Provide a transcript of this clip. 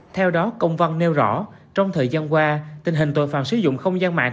theo đó công văn nêu rõ trong thời gian qua tình hình tội phạm sử dụng không gian mạng